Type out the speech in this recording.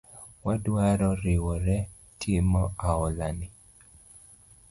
Wadwaro riwore timo oala ni